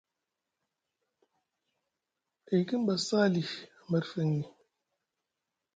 E yikiŋ ba Sali a merfeŋni.